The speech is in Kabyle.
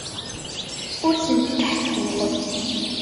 Ur tent-id-ḥekkuɣ.